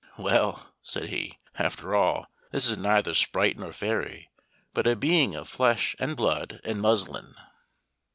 "Well," said he, "after all, this is neither sprite nor fairy, but a being of flesh, and blood, and muslin."